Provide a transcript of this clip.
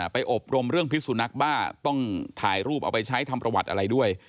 อบรมเรื่องพิสุนักบ้าต้องถ่ายรูปเอาไปใช้ทำประวัติอะไรด้วย